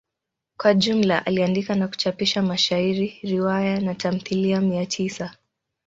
Kwa jumla aliandika na kuchapisha mashairi, riwaya na tamthilia mia tisa.